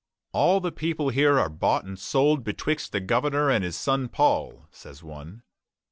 "All the people here are bought and sold betwixt the governour and his son Paul," says one.